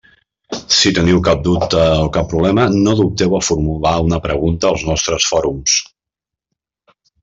Si teniu cap dubte o cap problema, no dubteu a formular una pregunta als nostres fòrums.